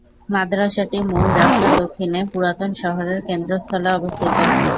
মাদ্রাসাটি মূল রাস্তার দক্ষিণে পুরাতন শহরের কেন্দ্রস্থলে অবস্থিত।